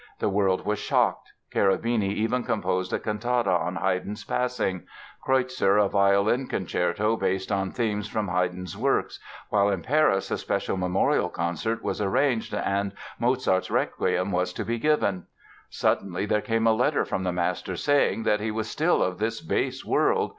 The world was shocked. Cherubini even composed a cantata on Haydn's passing; Kreutzer a violin concerto based on themes from Haydn's works, while in Paris a special memorial concert was arranged and Mozart's Requiem was to be given. Suddenly there came a letter from the master saying that "he was still of this base world."